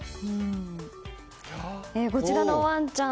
こちらのワンちゃん